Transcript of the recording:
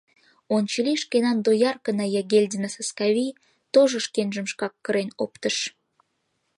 Ончылий шкенан дояркына, Ягельдина Саскавий, тожо шкенжым шкак кырен оптыш.